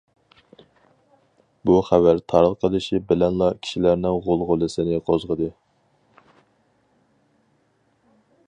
بۇ خەۋەر تارقىلىشى بىلەنلا كىشىلەرنىڭ غۇلغۇلىسىنى قوزغىدى.